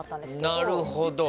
なるほど。